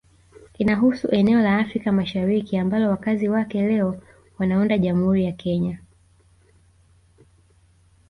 Inahusu eneo la Afrika Mashariki ambalo wakazi wake leo wanaunda Jamhuri ya Kenya